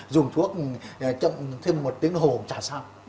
dùng thuốc thêm một tiếng hồ chả sao